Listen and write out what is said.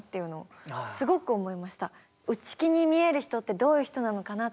内気に見える人ってどういう人なのかな